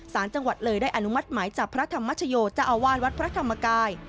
สารจังหวัดเลยได้อนุมัติหมายจับพระธรรมชโยเจ้าอาวาสวัดพระธรรมกาย